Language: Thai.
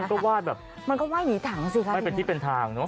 แล้วมันก็วาดแบบไม่เป็นที่เป็นทางเนอะ